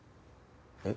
えっ？